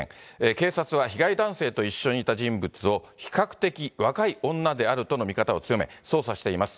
警察は被害男性と一緒にいた人物を、比較的若い女であるとの見方を強め、捜査しています。